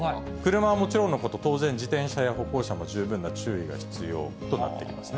車はもちろんのこと、当然、自転車や歩行者も十分な注意が必要となってきますね。